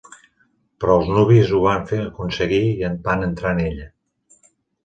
Però els nubis ho van aconseguir i van entrar en ella.